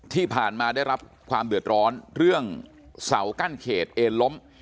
ที่ผ่านมาได้รับความเดือดร้อนเรื่องเสากั้นเขตเอ็นล้ม